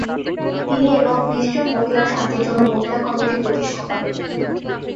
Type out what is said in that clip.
তিনি এবং বিশ জন মহিলা শান্তির জন্য মহিলা কমিটি প্রতিষ্ঠা করেন।